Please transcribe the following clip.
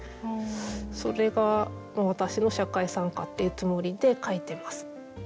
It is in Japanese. それが私の社会参加っていうつもりで書いてます。